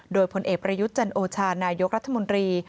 โดยผลเอกประยุทธ์จันโอชานายกรัฐมนตรี